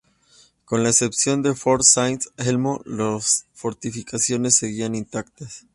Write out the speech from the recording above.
Con la excepción de Fort Saint Elmo, las fortificaciones seguían intactas.